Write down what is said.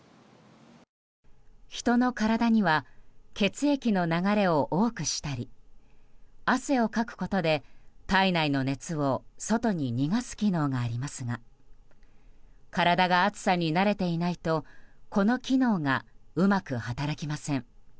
人の体には血液の流れを多くしたり汗をかくことで、体内の熱を外に逃がす機能がありますが体が暑さに慣れていないとこの機能がうまく働きません。